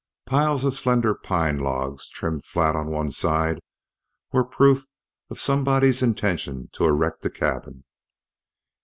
Piles of slender pine logs, trimmed flat on one side, were proof of somebody's intention to erect a cabin.